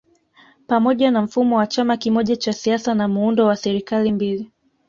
Pamoja na mfumo wa chama kimoja cha siasa na muundo wa serikali mbili